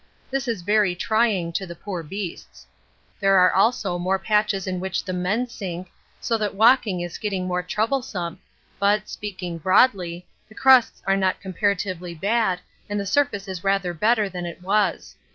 This is very trying for the poor beasts. There are also more patches in which the men sink, so that walking is getting more troublesome, but, speaking broadly, the crusts are not comparatively bad and the surface is rather better than it was.